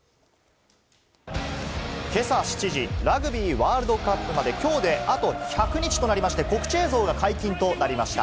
今朝７時、ラグビーワールドカップまできょうであと１００日となりまして、告知映像が解禁となりました。